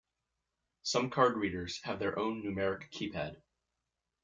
Some card readers have their own numeric keypad.